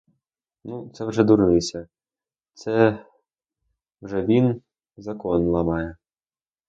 Ну, це вже дурниця, це вже він закон ламає!